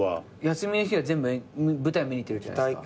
休みの日は全部舞台見に行ってるじゃないですか。